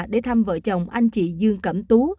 để thăm vợ chồng anh chị dương cẩm tú